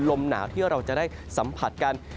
ลมหนาวที่เราจะได้สัมผัสกัน